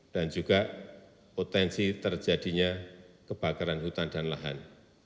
dan juga potensi terjadinya kebakaran hutan dan lahan